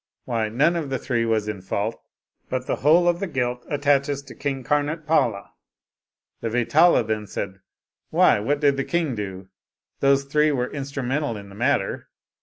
Why, none of the three was in fault, but the whole of the guilt attaches to King Kamotpala." The Vetala then said, "Why, what did the king do? Those three were in strumental in the matter.